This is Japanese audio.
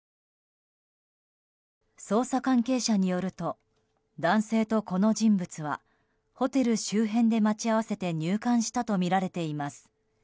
捜査関係者によると男性とこの人物はホテル周辺で待ち合わせて入館したとみられています。